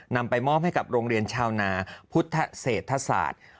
นำไปมอบให้กับโรงเรียนชาวนาพุทธเศรษฐศาสตร์